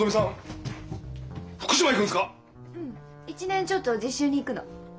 １年ちょっと実習に行くの。